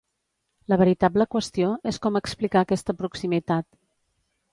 La veritable qüestió és com explicar aquesta proximitat.